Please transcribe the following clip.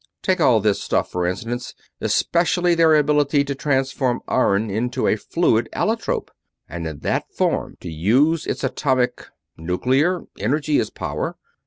Take all this stuff, for instance; especially their ability to transform iron into a fluid allotrope, and in that form to use its atomic nuclear? energy as power.